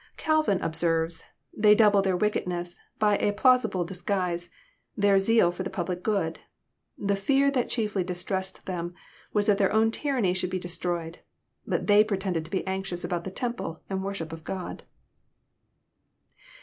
Calvin observes :" They double their wickedness by a plausi ble disguise,— their zeal for the public good. The fear that chiefly distressed them was that their own tyranny should be destroyed; but they pretend to be anxious about the temple and worship of God."